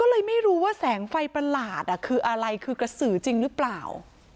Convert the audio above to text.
ก็เลยไม่รู้ว่าแสงไฟประหลาดคืออะไรคือกระสือจริงหรือเปล่า